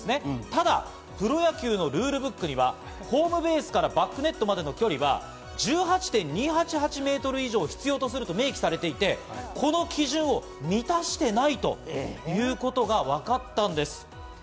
ただ、プロ野球のルールブックにはホームベースからバックネットまでの距離は１８．２８８メートル以上を必要とすると明記されていてこの基準を満たしていないということがわかったんです。